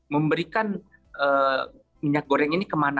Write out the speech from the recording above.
memberikan minyak goreng ini ke mana